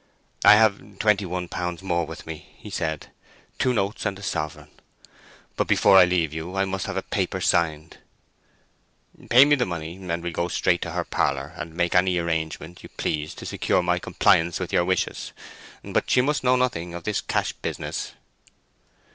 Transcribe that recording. "I have twenty one pounds more with me," he said. "Two notes and a sovereign. But before I leave you I must have a paper signed—" "Pay me the money, and we'll go straight to her parlour, and make any arrangement you please to secure my compliance with your wishes. But she must know nothing of this cash business."